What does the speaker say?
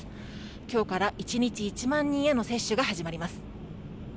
今日から１日１万人への接種が始まります。